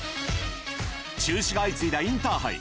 中止が相次いだインターハイ。